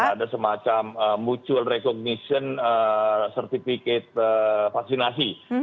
juga akan ada semacam mutual recognition certificate vaksinasi